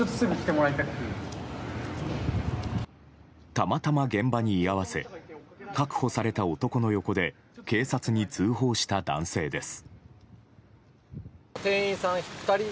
たまたま現場に居合わせ確保された男の横で警察に通報した男性です。